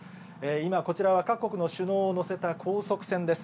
今、こちらは各国の首脳を乗せた高速船です。